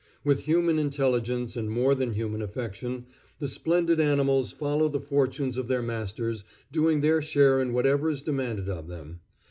With human intelligence and more than human affection, the splendid animals follow the fortunes of their masters, doing their share in whatever is demanded of them.